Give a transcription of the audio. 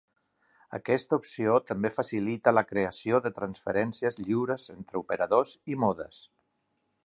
Aquesta opció també facilita la creació de transferències lliures entre operadors i modes.